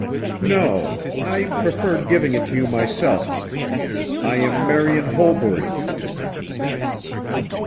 "No, I preferred giving it to you myself. I am Marian Holbury."